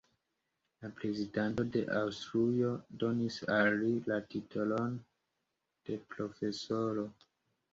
La Prezidanto de Aŭstrujo donis al li la titolon de "profesoro".